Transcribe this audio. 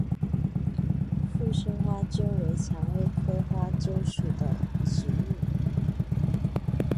附生花楸为蔷薇科花楸属的植物。